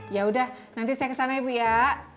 yaudah nanti saya kesana ibu ya